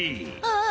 ああ